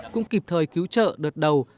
cũng kịp thời cứu trợ đợt đầu